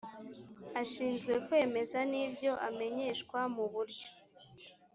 ashinzwe kwemeza n ibyo amenyeshwa mu buryo